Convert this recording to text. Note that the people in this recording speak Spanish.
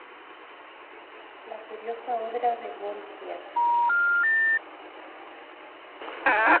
La curiosa obra de Gorgias.